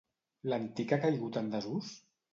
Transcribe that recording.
L'antic ha caigut en desús?